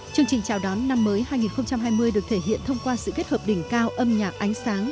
chương trình chào đón năm mới hai nghìn hai mươi được thể hiện thông qua sự kết hợp đỉnh cao âm nhạc ánh sáng